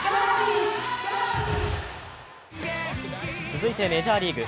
続いてメジャーリーグ。